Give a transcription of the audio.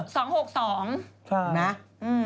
ถูกไหม